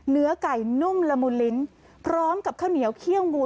เนื้อไก่นุ่มละมุนลิ้นพร้อมกับข้าวเหนียวเขี้ยวงู